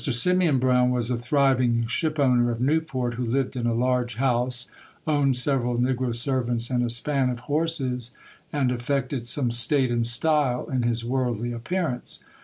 Simeon Brown was a thriving ship owner of Newport, who lived in a large house, owned several negro servants and a span of horses, and affected some state and style in his worldly appearance.